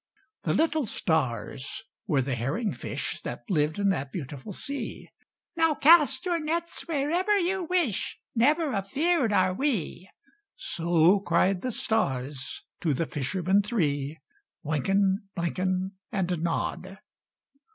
The little stars were the herring fish That lived in that beautiful sea "Now cast your nets wherever you wish Never afeared are we": So cried the stars to the fishermen three: Wynken, Blynken, And Nod.